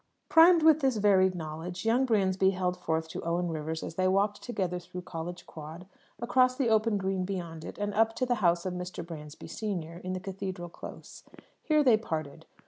Primed with this varied knowledge, young Bransby held forth to Owen Rivers as they walked together through College Quad, across the open green beyond it, and up to the house of Mr. Bransby, senior, in the Cathedral Close. Here they parted.